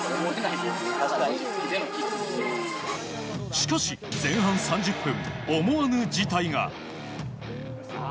しかし、前半３０分思わぬ事態が。